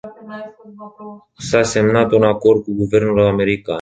S-a semnat un acord cu guvernul american.